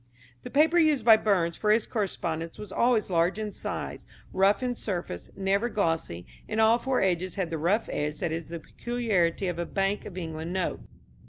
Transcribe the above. The paper used by Burns for his correspondence was always large in size, rough in surface, never glossy, and all four edges had the rough edge that is the peculiarity of a Bank of England note.